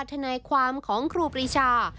ทนายความของครูปรีชา